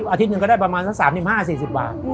อาทิตย์หนึ่งก็ได้ประมาณสัก๓๕๔๐บาท